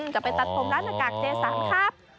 จะไปตัดผมร้านหน้ากากเจสันครับ